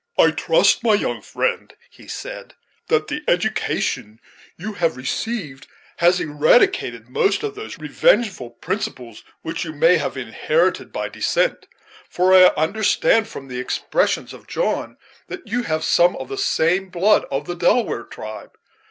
"I trust, my young friend," he said, "that the education you have received has eradicated most of those revengeful principles which you may have inherited by descent, for I understand from the expressions of John that you have some of the blood of the Delaware tribe.